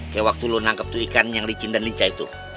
kayak waktu lo nangkep tuh ikan yang licin dan lincah itu